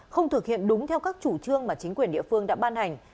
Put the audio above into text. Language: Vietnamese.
không thực hiện đúng theo các chủ trương mà chính quyền địa phương đã ban hành